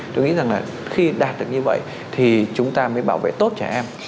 tôi nghĩ rằng là khi đạt được như vậy thì chúng ta mới bảo vệ tốt trẻ em